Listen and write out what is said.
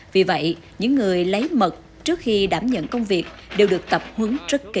vì vậy những người lấy mật trước khi đảm nhận công việc đều được tập huấn rất kỹ